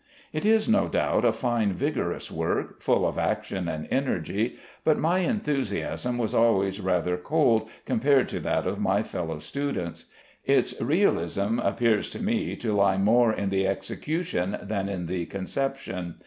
It is no doubt a fine, vigorous work, full of action and energy, but my enthusiasm was always rather cold compared to that of my fellow students. Its realism appears to me to lie more in the execution than in the conception.